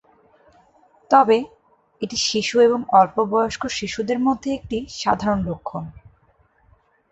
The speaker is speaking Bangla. তবে এটি শিশু এবং অল্প বয়স্ক শিশুদের মধ্যে এটি সাধারণ লক্ষণ।